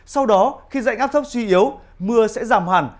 sau đó khi dãy ngáp thấp suy yếu mưa sẽ giảm hẳn